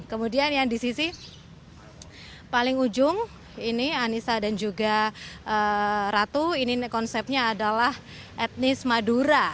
kemudian yang di sisi paling ujung ini anissa dan juga ratu ini konsepnya adalah etnis madura